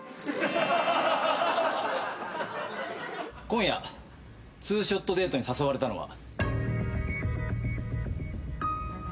今夜ツーショットデートに誘われたのは。